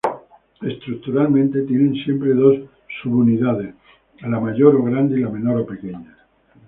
Estructuralmente, tienen siempre dos subunidades: la mayor o grande y la menor o pequeña.